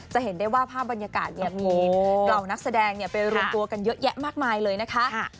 จะเห็นได้ว่าภาพบรรยากาศมีเหล่านักแสดงไปรวมตัวกันเยอะแยะมากมายเลยนะคะ